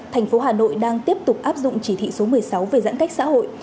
thành phố hà nội đang tiếp tục áp dụng chỉ thị số một mươi sáu về giãn cách xã hội